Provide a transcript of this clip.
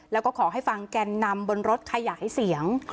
แล้วก็ขอให้ฟังแก่นนำบนรถขยายเสียง